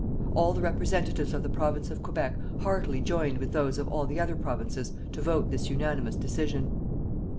All the representatives of the Province of Quebec heartily joined with those of all the other Provinces to vote this unanimous decision.